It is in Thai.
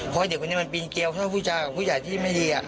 เพราะเด็กคนนี้มันปีนเกลียวแปลว่าพูดจากพูดจากที่ไม่ดี